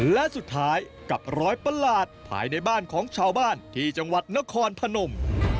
และสุดท้ายกับรอยประหลาดภายในบ้านของชาวบ้านที่จังหวัดนครพนม